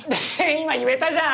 今言えたじゃん！